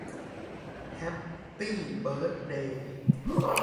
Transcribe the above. แฮปปี้เบิร์ดเดย์